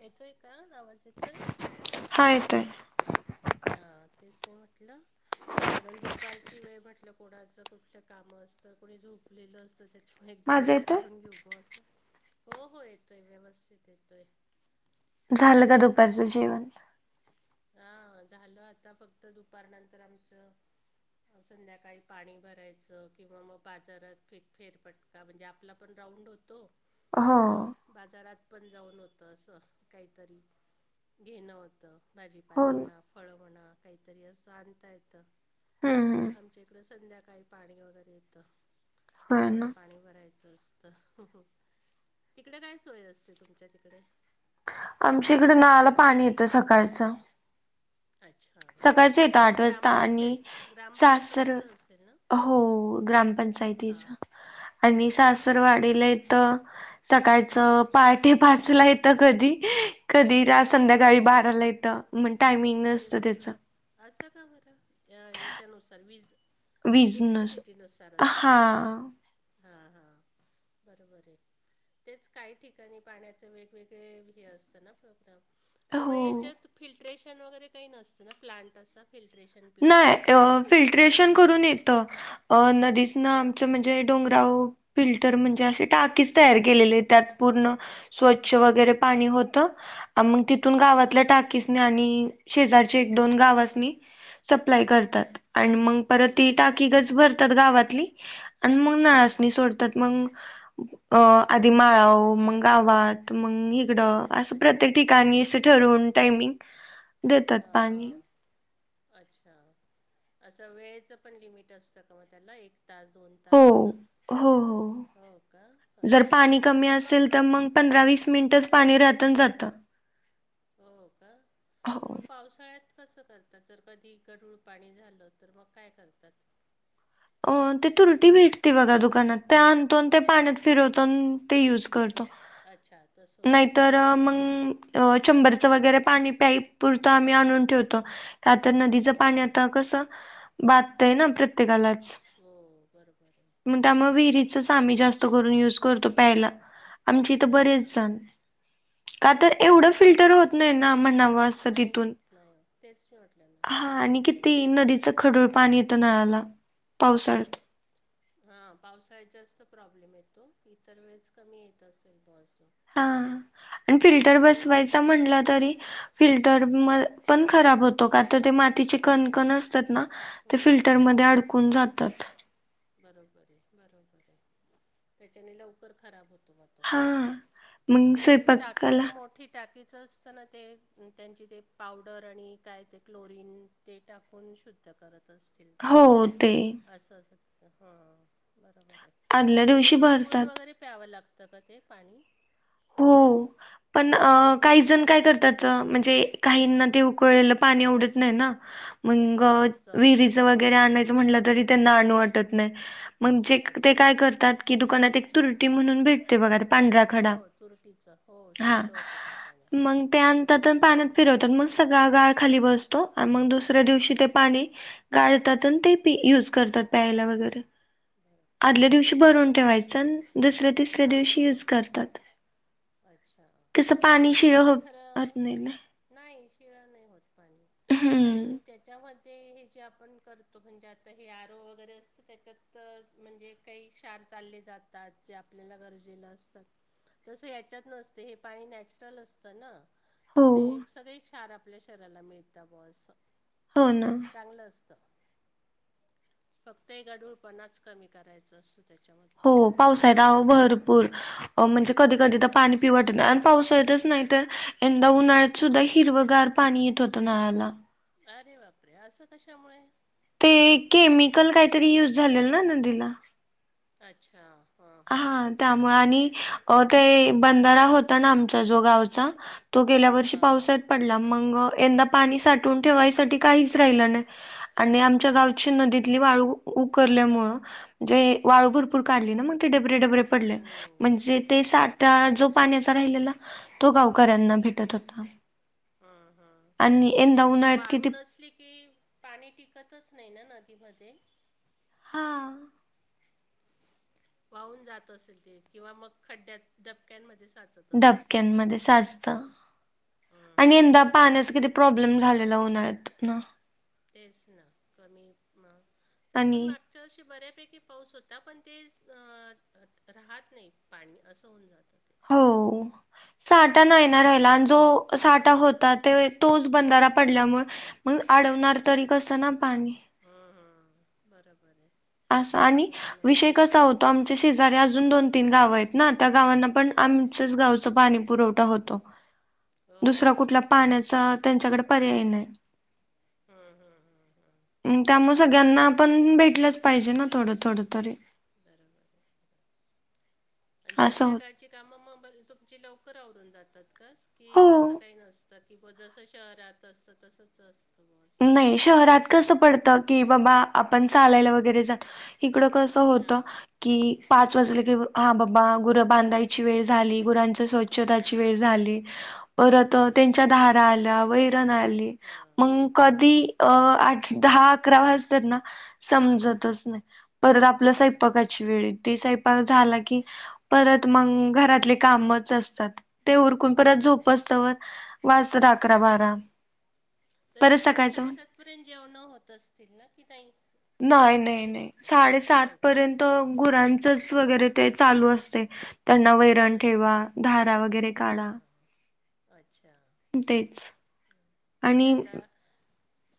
येतोय का आवाज येतोय हायेतय हा तेच मी म्हटलं कारण दुपारची वेळ म्हटलं कोणाचं कुठलं काम असतं कोणी झोपलेलं असत त्या एकदा माझा येतोय विचारून घेऊ बोस अस हो हो येतोय व्यवस्थित येतोय झालं का दुपारचं जेवन हा झालं आता फक्त दुपारनंतर आमचं संध्याकाळी पाणी भरायचं किंवा मग बाजारात फे फेरपट का म्हणजे आपला पण राऊंड होतो हो आणि बाजारात पण जाऊन होतं असं काहीतरी घेणं होतं भाजीपाला हो ना. म्हणा फळं म्हणा काहीतरी असं आणता येतं हम् हम जीकड संध्याकाळी पाणी वगैरे येतं होय ना त्याच्यामुळे पाणी भरायचं असत तिकडे काय सोय असते तुमच्या तिकडे आमच्या इकडं नाळाला पाणी येतं सकाळचं अच्छा सकाळचं अच्छा येतं म्हणजे आठ वाजता आणि ग्रामपंचायत सासर ग्रामपंचायतचं असेल ना हो हां ग्रामपंचायतीचा आणि अच्छा सासरवाडी लेत सकाळच पाहाटे पाचला येत कधी कधी रा हो संध्याकाळी बाराला येतं मग टायमिंग अरे नसतं बापरे त्याच असं का मरा याच्यानुसार व्हीज वीज नस इलेक्ट्रिसिटी नुससार असेल हा हा हा बरोबर ऐ तेच काही ठिकाणी पाण्याच वेगवेगळे हे असतं ना प्रोग्राम आणि मग हो हच्यात फिल्ट्रेशन वगैरे काही नसतं ना प्लांट अस फिल्ट्रेशन प्लांट नाय अ पाणी फिल्ट्रेशन करून शुद्धीकरणासाठी येत अ नदीस ना हो आमच का? म्हणजे डोंगराव फिल्टर म्हणजे असे टाकीच तयार केलेले त्यात पूर्ण स्वच्छ वगैरे पाणी होतं मग तिथून अच्छा. गावातल्या टाकीसनी आणि शेजारच्या एक दोन गावासनी सप्लाय करतात आणि मग परत हम्म ती हम्म. टाकी गच भरतात गावातली आणि मग हम्म हम्म. नळासणी सोडतात मग अ आधी माळाऊ मग गावात मग इकड असं अच्छा. प्रत्येक ठिकाणी अस ठरवून टाईमिंग अ हा हा अच्छा असं वेळेचं पण लिमिट असतं का मग त्याला एक तास दोन हो हो का? जर अच्छा. पाणी कमी पण असेल तर मग पंधरा वीस मिनिटच पाणी राहतन जातं हो का! पण हो. मग पावसाळ्यात कसं करता. आता जर कधी गढूळ पाणी झालं, तर मग काय कर. अ ते तुरुटी भेटते बघा दुकानात त्या आणतो आणि ते पाण्यात फिरवतो, ते युज करत. अच्छा तसं होतं का? नाहीतर मंग चेंबर च वगैरे पाणी पायपुरतं आम्ही आणून ठेवतो. का तर नदीचं हो, पाणी आता कसं बाधतंय ना प्रत्येकाला हो बरोबर आहे. मग त्यामुळे त्याच्यामुळे विहिरीच आमी जास्त जास्त करून यूज करतो प्यायला, आमच्या इथं हां, बरीच हां. जण का तर एवढं फिल्टर होत नाही ना म्हणावा असं नाही तिथून, होत, नाही होत. तेच मी म्हटलं ना, हा नाही होत आणि तेवढं किती नदीच फिल्टर. गढूळ पाणी येत. येत नळाला पावसाळ्यात हां पावसाळ्यात जास्त प्रॉब्लेम येतो, इतर वेळेस कमी येत असेल पासून हा आणि फिल्टर बसवायचा म्हटला तरी फिल्टर पण खराब होतो, का तर ते मातीचे कणकण असतात ना हो, ते फिल्टर मध्ये खूप. अडकून जातात. बरोबर आहे बरोबर आहे. त्याच्याने लवकर खराब होतो मघ हा मग ते टाकीच स्वयंपाकाला मोठी टाकीचं असताना ते त्यांची ते पावडर आणि काय ते क्लोरीन ते टाकून शुद्ध करत असतील ते हो ते असं, अस असल तिथ ह आदल्या बरोबर दिवशी जरी उकळून भरतात वगैरे प्यावं लागतं का ते पाणी? हो पण उकळून काही प्यावं जण काय लागत करतात असेल म्हणजे काहीना ते उकळलेलं पाणी आवडत नाही ना मग हां चव विहिरिच विहिरीच जरी आणायच म्हणल तरी त्यांना आणू वाटत नाही म्हणजे मग ते अच्छा काय करत्यात की दुकानात एक तुरटी म्हणून भेट ते बघा पांढरा हो खडा तुरटीचं हो हा, शुद्ध होतं त्याच्याने मग ते हं, आणतात हं. आण पाण्यात फिरवतात मग सगळा गाळ खाली बसतो आणि मग दुसऱ्या दिवशी ते बरोबर पाणी गाळतात आणि ते ते युज करतात प्यायला वगैरे बरोबर आदल्या दिवशी आणि भरून हे ठेवायचं आणि दुसऱ्या, तिसऱ्या हां दिवशी यूज हां करतात. अच्छा कसं पाणी शिळ ह्याच्याने हो होत खरं नाही ना नाही शिळ नाही होत पाणी आणि हम्म त्याच्यामध्ये ते हे जे आपण करतो म्हणजे आता हे आरो वगैरे असतं त्याच्यात तर म्हणजे काही क्षार चालले जातात जे आपल्याला गरजे ला असतात तस याच्यात नसते हे पाणी नॅचरल असतं ना तर हो ते सगळे क्षार आपल्या शरीराला मिळतात अस हो ना. चांगलं असतं, फक्त हे गढूळपणाच कमी करायचं असतो त्याच्यामध्ये हो पावआल्यात अहो भरपूर अ म्हणजे कधी कधी तर पाणी पिउ वाटण नाही आणि पावसाळ्यातच नाही तर यंदा उन्हाळ्यात सुद्धा हिरवगार पाणी येत होतं नळाला अरे बापरे असं कशामुळे! ते केमिकल काहीतरी युज झालेल ना नदीला अच्छा. हां हां हा त्यामुळे त्याच्यामुळे आणि का आ ते बंधारा होता ना आमचा जो गावचा तो गेल्या वर्षी हां हां पावसात पडला मग यंदा पाणी साठून ठेवाय साठी काहीच राहिल नाही आणि आम आमच्या गावची अच्छा नदीतली वाळू उखल्यामुळे म्हणजे वाळू हं भरपूर काढली ना मग बरेबरे पडले हो म्हणजे ते साठा बरोबर आहे जो पाण्याचा राहिलेला तो गावकऱ्यांना भेटत होता हमम हम आणि ते यंदा उन्हाळ्यात किती वाळून असली की पाणी टिकतच नाही ना नदीमध्ये हा वाहून जात असेल ते किंवा मग खड्ड्यात डबक्यांमध्ये साजत डबक्यान मध्ये साजत हं आणि यंदा हं पाण्याचा किती प्रॉब्लेम झालेला उन्हाळ्यात आहे ना तेच ना कमी मग तरी पण आणि माग मागच्या वर्षी बऱ्यापैकी पाऊस होता पण ते राहत नाही पाणी असं होऊन जातं ते हो साठा नाही ना रायला आणि जो साठा हां होता ते तोच बंधारा पडल्यामुळे मग अडवणार तरी कसं ना पाणी हा हा बरोबर आहे अस आणि ते पण विषय असतं कसा होताबल्ब तो आमचे शेजारे अजून दोन तीन गाव आहेत ना त्या गावांना पण आमच्याच गावच पाणी पुरवठा होतो [unintelligible] दुसरा का कुठला पाण्याचा अच्छा त्यांच्याकडे पर्याय नाही हा हम हा त्यामुळे सगळ्यांना आपण भेटलंच पाहिजे ना थोडं थोड तरी बरोबर आणि असं होत. संध्याकाळची कामं मग तुमची लवकर आवरून जातात का की हो. तसं काही नसत की ब जसं शहरात असतं तसंच असत नाही शहरात कसं पडतं की बाबा आपण चालायला वगैरे जा इकडं कस होत हां, की पाच वाज की हा बाबा गुर बांधायची वेळ झाली गुरच स्च्छताची वेळ हां. झाली परत बरोबर त्यांच्या आहे. ारा आल्या वैरण आली हो, मग कधीठ दहा अकरा वाज त्यांना समजतच नाही परत आपलं बरोबर आहे. साहेपाकाची वेळ ते सा क म घात काम असतात हो, णपर्ंत झोप असत व वाजतात अकरा बरं बारा आहे. तरी परत सात सकाळचं साडेसात पर्यंत जेवण होत असतील ना की नाही नाही नाही उशीर नाही होतो? साडेसात नाही का? पर्यंत गुरां वगैरे ते चालू असते त्यांना वैरण अच्छा. ठेवा धारा वगैरे काढा हां, हां. अच्छा तेचबल्ब म्हणजे आता [unintelligible]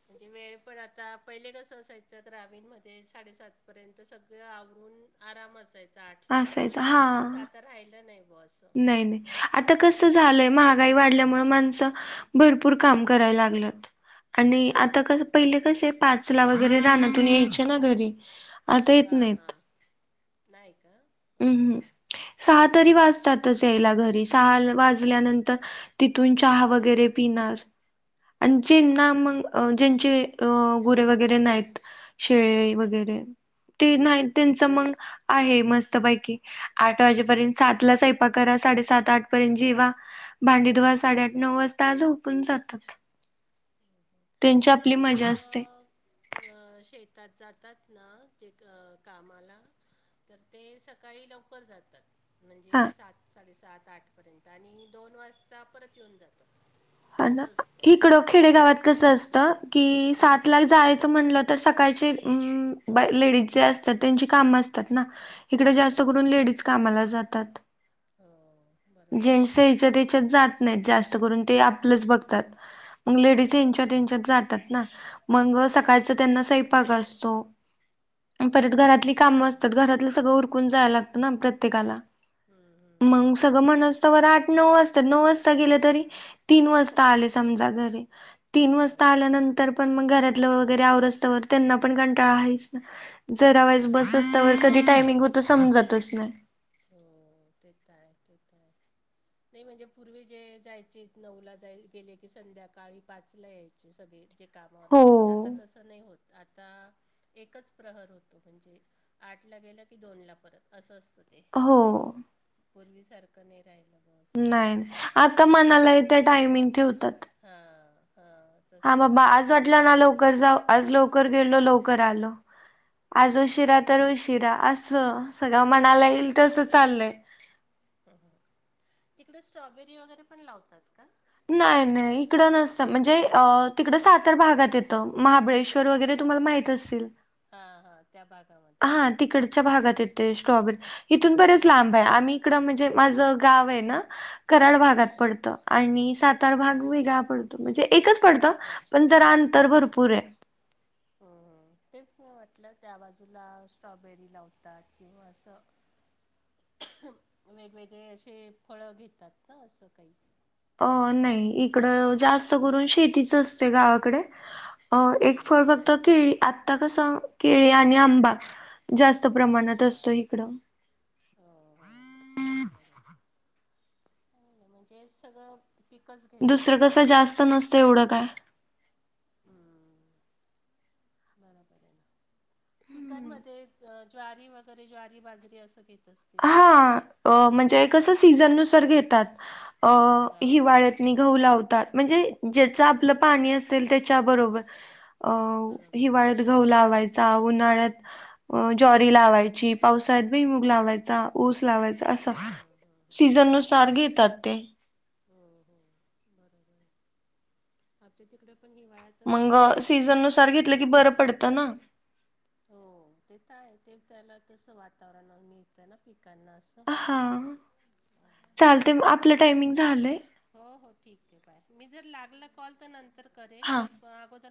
म्हणजे वेळ पण आता पहिले कसं असायचं ग्रामीणमध्येध्ये साडेसात पर्यंत सगळं आवरून आराम असायचा आठला असायच हा तस आता राहिलं नाही ब असं नाही नाही आता कसं झालंय महागाई वाढल्यामुळे माणसं भरपूर काम करायला लागल [unintelligible] आणि हां आता कस हां पहिले कसे आहे पाचला वगैरे रानातून यायचे ना घरी आता येत हा हा नाहीत नाही का [unintelligible] हम्म हम् सहा तरी वाजतातच यायला घरी सहा वाजल्यानंतर अच्छा. तिथून चहा वगैरे पिणार आणि हम्म जेना मग अ ज्यांचे गुरे वगैरे नाहीत शेळे वगैरे ते नाही हम्म हम्म त्यांच मग आहे मस्त आठ वाजर्यंत सात करा सा सात आठ पर्यंत जेवा भां बुधवा साडेआठ अच्छा. नऊ वाजता आज झपून जातात त्यांची आमच्या आपली इकडे मजा असते तर शेतात जातात ना जे कामाला तर ते सकाळी लवकर जातात. म्हणजे हा सात साडेसात आठ पर्यंत आणि दोन वाजता परत येऊन जात. हा ना इकडं खेडे गावात कसं असत. की सात ला जायचं म्हणलं तर सकाळची लेडीज जे असतात त्यांची काम इडे जास्त हां करून लेडीज तेच कामाला जातात. हो बरोबर आहे जेंट्स हच्या त्याच्यात जात. जास्त करून ते आपलंच बघतात. मग लेडीज हेंच्यात हां तेंच्यात जातात ना. मग सकाळचा त्यांना साईपक असतो. परत हं घरातली ते तर कामं आहे असतात. घरातलं सगळं उरकून जायला लागतं ना प्रत्येकाला. हं हं मग सगळं म्हण असत बर आठ नऊ वाजता नऊ वाजता गेलं तरी तीन वाजता आले समजा घरी तीन हो वाजता आल्यानंतर तर पण मग घरातलं वगैरे आवर असतवर त्यांना पण कंटाळा आहेच ना जरा वैज बरोबर आहे बसस्तवर कधी टायमिंग होत समजतच नाही. हो तेेत आहे तेेत आहे. नाही म्हणजे पूर्वी जे जायचे नऊला जाय गेले की संध्याकाळी पाचला यायचे सगळे जे कामावर हो जायचे आता तसं नाही होत आता एकच प्रहर होतो म्हणजे? आठ ला गेलं की दोन ला परत असं असतं ते. हो. पूर्वीसारखं ने राहिला. नाही नाही आता मनाला इथे टायमिंग ठेवतात. हा हा. हा बाबा आज वाटला ना लवकर जा आज लवकर गेलो लवकर आलो. आज हं उशिरा हं तर उशिरा असं सगळं मनाला येईल बरोबर तसं चाललंय. तिकडे स्ट्रॉबेरी वगैरे पण लावतात का? नाही नाही इकडं नसतं म्हणजे नाही का? तिकडं सातार भागात येतं महाबळेश्वर वगैरे तुमला माहित असतील. हा हा. त्या भागामध्ये. हा येतं तिकडच्या भागात येत. स्ट्रॉबेरी इथून बरेच लांब आहे. आम्ही इकड म्हणजे माझं गाव आहे ना कराड भागात अच्छा पडतं आणि सातार हां भाग हां वेगळा पडतो म्हणजे एकच पडत अच्छा पण जरा अंतर हम्म भरपूर आहे. तेच म वाटलं त्या बाजूला स्ट्रॉबेरी लावतात किंवा असं. वेगवेगळे असे फळ घेतात ना असं काही. अ नाही त्याच्यामुळे इकडं जास्त करून शेतीच असते गावाकडे अ एक हम्म फळ हम्म फक्त हम्म केळी आत्ता कस केळी आणि आंबा जास्त प्रमाणात अच्छा असतो इकडं हो हो बरं बरं म्हणजेच सगळं पिकच घेतात दुसरं बर कसं सं जास्त नसतं एवढं काय? हम्म बरोबर आहे ना हम्म. पिकांमध्ये ज्वारी वगैरे ज्वारी बाजरी असं घेत असतील ना? हा म्हणजे कसं सीझन नुसार घेतात हा. हिवाळ्यात. आणि गहू लावतात म्हणजे ज्याच आपलं हो पाणी असेल त्याच्याबरोबर. अ बरोबर आहे. हिवाळ्यात. गहू लावायचा उन्हाळ्यात ज्वारी लावायची पावसाळ्यात भुई मुग लावायच. ऊस लावायचा असं हम्म हम्म हम्म हम्म. सीजन नुसार घेतात ते हो हो बरोबर आमच्या तिकडे पण हिवाळ्यात. मग सीझन नुसार घेतलं की बरं पडतं ना? हो ते तर आहे. ते त्याला तसं वातावरणवर मिळतय ना पिकांना असं हा चालते आपलं बरं टायमिंग मी झालंय. हो हो ठीक आहे बाय मी जर लागल कॉल तर नंतर करेल हा अगोदर